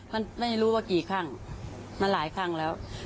มันไม่รู้ว่ากี่ครั้งมันหลายครั้งแล้ว